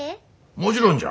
もちろんじゃ。